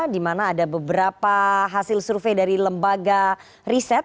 dimana ada beberapa hasil survei dari lembaga riset